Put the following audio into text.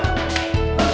satu dua satu